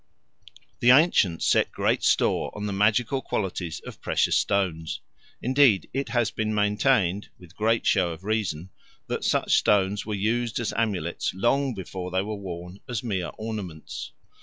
The ancients set great store on the magical qualities of precious stones; indeed it has been maintained, with great show of reason, that such stones were used as amulets long before they were worn as mere ornaments.